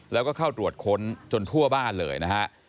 แล้วก็เข้าตรวจค้นจนทั่วบ้านเลยนะฮะ